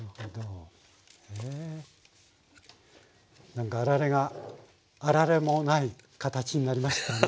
なんか「あられ」が「『あられ』もない」形になりましたね。